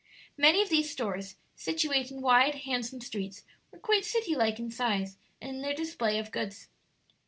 Many of these stores, situate in wide, handsome streets, were quite city like in size and in their display of goods.